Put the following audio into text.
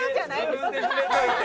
自分で触れといて。